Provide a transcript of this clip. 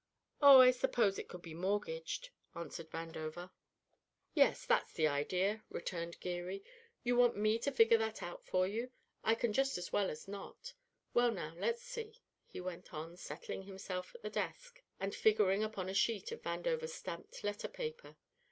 "Oh, I suppose it could be mortgaged," answered Vandover. "Yes, that's the idea," returned Geary. "You want me to figure that out for you? I can just as well as not. Well, now, let's see," he went on, settling himself at the desk, and figuring upon a sheet of Vandover's stamped letter paper.